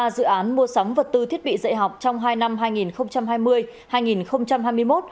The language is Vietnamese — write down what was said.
ba dự án mua sắm vật tư thiết bị dạy học trong hai năm hai nghìn hai mươi hai nghìn hai mươi một